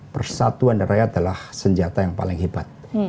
persatuan rakyat adalah senjata yang paling hebat